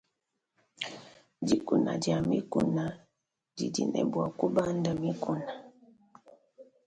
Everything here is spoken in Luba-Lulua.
Dikuna dia mikuna didi ne bua kubanda mikuna.